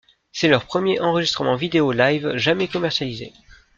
C'est leur premier enregistrement vidéo live jamais commercialisé.